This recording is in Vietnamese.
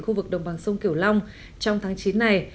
khu vực đồng bằng sông kiểu long trong tháng chín này